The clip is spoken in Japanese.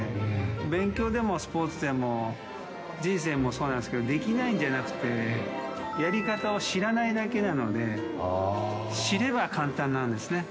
勉強でもスポーツでも、人生もそうなんですけれども、できないんじゃなくて、やり方を知らないだけなので、知れば簡単なんですね。